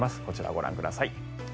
こちら、ご覧ください。